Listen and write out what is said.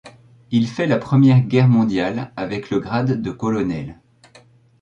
Il fait la Première Guerre mondiale avec le grade de colonel.